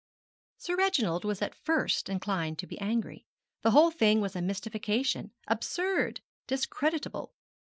Sir Reginald was at first inclined to be angry. The whole thing was a mystification absurd, discreditable.